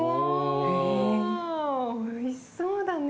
おいしそうだね。